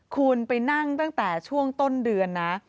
คุณไปนั่งตั้งแต่ช่วงต้นเดือนนะ